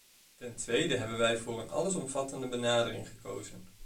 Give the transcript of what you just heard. Ten tweede hebben wij voor een allesomvattende benadering gekozen.